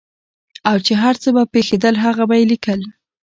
او چې هر څه به پېښېدل هغه به یې لیکل.